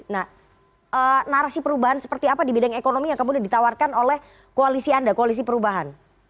nah narasi perubahan seperti apa di bidang ekonomi yang kemudian ditawarkan oleh koalisi anda koalisi perubahan